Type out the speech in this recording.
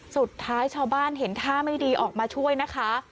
สุดท้ายชาวบ้านเห็นท่าไม่ดีออกมาช่วยนะคะ